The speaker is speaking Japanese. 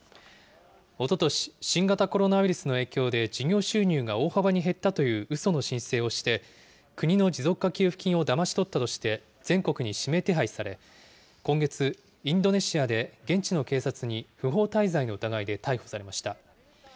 おととし、新型コロナウイルスの影響で事業収入が大幅に減ったといううその申請をして、国の持続化給付金をだまし取ったとして全国に指名手配され、今月、インドネシアで、現地の警察に不法滞在の疑いで逮捕されました。